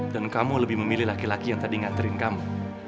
dan kamu lebih memilih laki laki yang tadi nganterin kamu